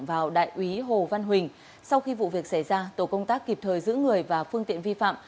vào đại úy hồ văn huỳnh sau khi vụ việc xảy ra tổ công tác kịp thời giữ người và phương tiện vi phạm